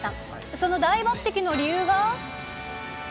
その大抜てきの理由が。